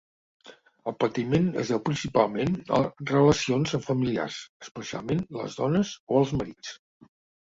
El patiment es deu principalment a les relacions amb familiars, especialment les dones o els marits.